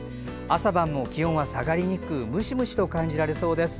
朝晩も気温は下がりにくくムシムシと感じらそうです。